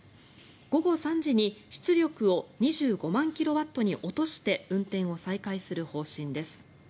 午後３時に出力を２５万キロワットに落として運転を再開する方針です。